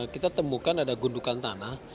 kita temukan ada gundukan tanah